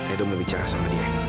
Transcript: edo mau bicara sama dia